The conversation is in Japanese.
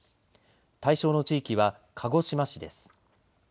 対象の地域は鹿児島市です。